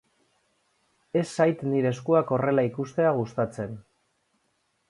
Ez zait nire eskuak horrela ikustea gustatzen.